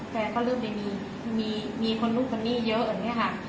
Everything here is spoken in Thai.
แฟนก็เริ่มมีคนลูกตรงนี้เยอะเนี้ยค่ะ